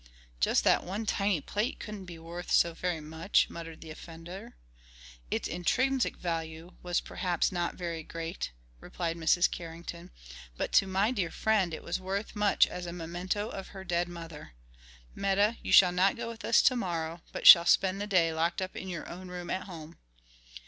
"Just that one tiny plate couldn't be worth so very much," muttered the offender. "Its intrinsic value was perhaps not very great," replied Mrs. Carrington, "but to my dear friend it was worth much as a memento of her dead mother. Meta, you shall not go with us to morrow, but shall spend the day locked up in your own room at home."